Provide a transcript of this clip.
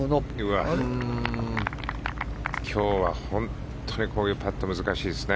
今日は本当にパットが難しいですね。